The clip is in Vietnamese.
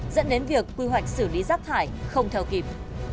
dẫn đến việc quy hoạch xử lý rác thải không theo kịp